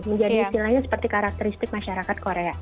menjadi istilahnya seperti karakteristik masyarakat korea